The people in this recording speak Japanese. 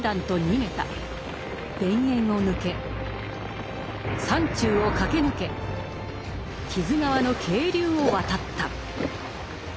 田園を抜け山中を駆け抜け木津川の渓流を渡った。